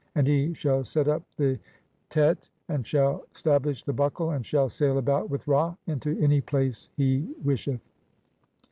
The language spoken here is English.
AND HE SHALL SET UP THE JET AND SHALL STABLISH THE BUCKLE, AND SHALL SAIL ABOUT WITH RA. INTO ANY PLACE HE WISHETH.